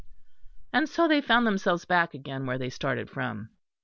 And so they found themselves back again where they started from.